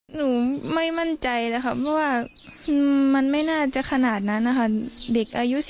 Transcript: หนูไม่มั่นใจแล้วค่ะเพราะว่ามันไม่น่าจะขนาดนั้นนะคะเด็กอายุ๑๔